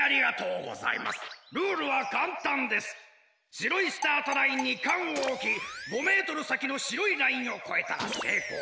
しろいスタートラインにかんをおき５メートルさきのしろいラインをこえたらせいこう。